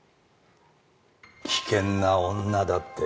危険な女だって。